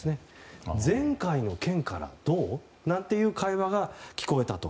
前回の件からどう？なんていう会話が聞こえたと。